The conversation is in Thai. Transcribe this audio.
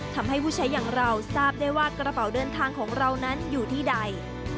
ทำให้ผู้ใช้อย่างเราทราบได้ว่ากระเป๋าเดินทางของเรานั้นอยู่ที่ใด